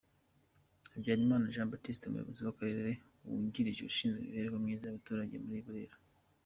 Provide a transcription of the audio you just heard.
Habyarimana Jean Baptiste umuyobozi w'akarere wungirije ushinzwe imibereho myiza y'abaturage muri Burera.